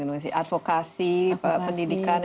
jadi advokasi pendidikan